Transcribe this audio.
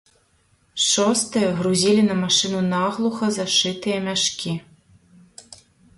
Шостыя грузілі на машыну наглуха зашытыя мяшкі.